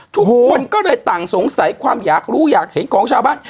ทุกคนก็เลยต่างสงสัยความอยากรู้อยากเห็นของชาวบ้าน